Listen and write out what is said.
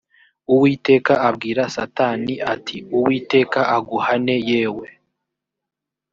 uwiteka abwira satani ati uwiteka aguhane yewe